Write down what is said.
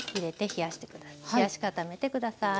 冷やし固めて下さい。